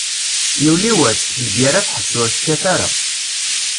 Yuli wass, lgerra teḥbes ur tekkat ara.